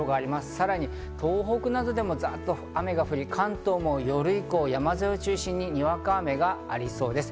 さらに東北などでもざーっと雨が降り、関東も夜以降、山沿いを中心に、にわか雨がありそうです。